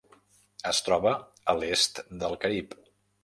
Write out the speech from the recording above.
Es troba a l'est del Carib.